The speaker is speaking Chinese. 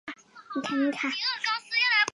为县级文物保护单位。